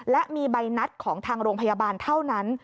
และมีใบนัดของทางโรงพยาบาลเท่านั้น